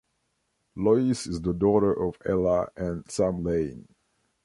Lois is the daughter of Ella and Sam Lane.